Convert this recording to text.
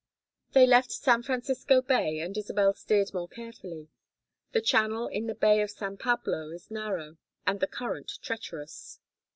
They left San Francisco Bay and Isabel steered more carefully: the channel in the Bay of San Pablo is narrow and the current treacherous.